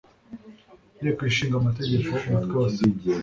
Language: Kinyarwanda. Nteko Ishinga Amategeko Umutwe wa Sena